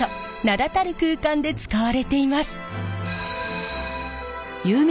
名だたる空間で使われています。